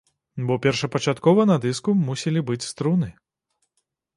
Бо першапачаткова на дыску мусілі быць струны!